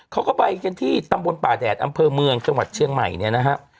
เขาก็ไปกันที่ตำบลป่าแดดอำเภอเมืองจังหวัดเชียงใหม่เนี่ยนะฮะ